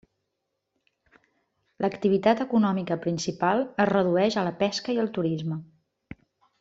L'activitat econòmica principal es redueix a la pesca i al turisme.